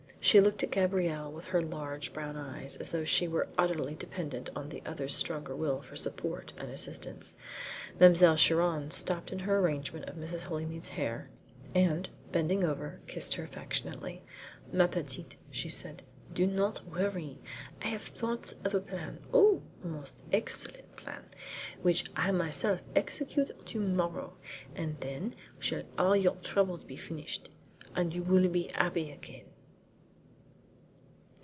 She looked at Gabrielle with her large brown eyes, as though she were utterly dependent on the other's stronger will for support and assistance. Mademoiselle Chiron stopped in her arrangement of Mrs. Holymead's hair and, bending over, kissed her affectionately. "Ma petite," she said, "do not worry. I have thought of a plan oh, a most excellent plan which I will myself execute to morrow, and then shall all your troubles be finished, and you will be happy again."